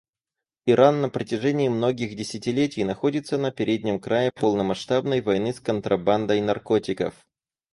Иран на протяжении многих десятилетий находится на переднем крае полномасштабной войны с контрабандой наркотиков.